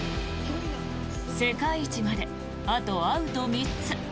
世界一まであとアウト３つ。